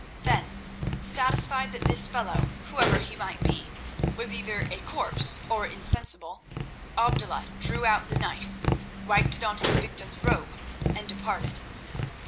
Then, satisfied that this fellow, whoever he might be, was either a corpse or insensible, Abdullah drew out the knife, wiped it on his victim's robe, and departed.